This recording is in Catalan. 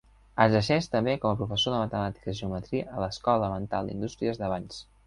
Exerceix també com a professor de matemàtiques i geometria a l'Escola Elemental d'Indústries de Valls.